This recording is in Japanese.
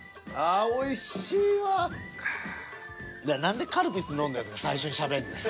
何でカルピス飲んでるやつが最初にしゃべんねん。